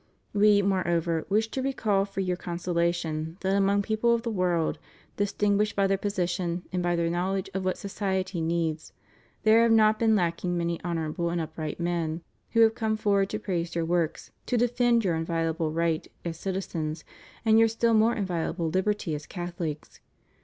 We, moreover, wish to recall for your consolation, that among people of the world, distinguished by their position, and by their knowledge of what society needs there have not been lacking many honorable and up right men who have come forward to praise your works, to defend your inviolable right as citizens, and your still more inviolable liberty as Catholics.